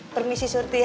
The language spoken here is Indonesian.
permisi surti ya